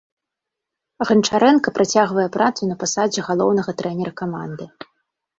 Ганчарэнка працягвае працу на пасадзе галоўнага трэнера каманды.